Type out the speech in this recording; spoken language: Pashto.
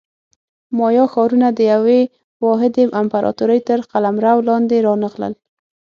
مایا ښارونه د یوې واحدې امپراتورۍ تر قلمرو لاندې رانغلل.